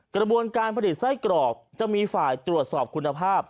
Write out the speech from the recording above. กระบวนการผลิตไส้กรอกจะมีฝ่ายตรวจสอบคุณภาพ